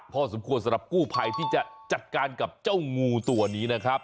พอสมควรสำหรับกู้ภัยที่จะจัดการกับเจ้างูตัวนี้นะครับ